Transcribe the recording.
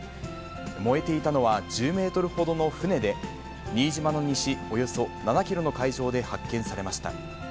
燃えていたのは１０メートルほどの船で、新島の西およそ７キロの海上で発見されました。